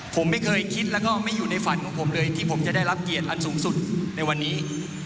ผมไม่เคยคิดแล้วก็ไม่อยู่ในฝันของผมเลยที่ผมจะได้รับเกียรติอันสูงสุดในวันนี้